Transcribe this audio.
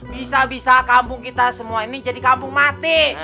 bisa bisa kampung kita semua ini jadi kampung mati